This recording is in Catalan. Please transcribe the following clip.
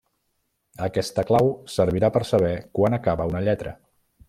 Aquesta clau servirà per saber quan acaba una lletra.